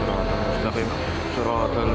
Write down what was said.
wa rahmatullah wa barakatuh